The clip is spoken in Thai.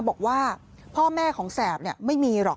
บอกว่าพ่อแม่ของแสบไม่มีหรอก